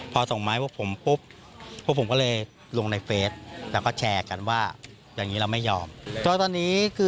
พอส่งไหม้พวกผมเพราะผมก็เลยลงในเฟสแล้วก็แฉกันว่าอย่างอย่างนี้เรารู้ไม่ยอม